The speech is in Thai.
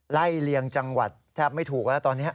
เลียงจังหวัดแทบไม่ถูกแล้วตอนนี้